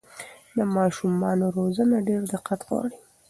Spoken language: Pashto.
د ماشومانو روزنه ډېر دقت غواړي.